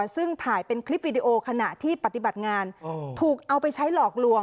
ซึ่งถ่ายเป็นคลิปวิดีโอขณะที่ปฏิบัติงานถูกเอาไปใช้หลอกลวง